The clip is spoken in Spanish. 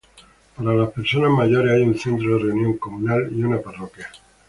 Para las personas mayores, hay un centro de reunión comunal y una parroquia.